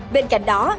bên cạnh đó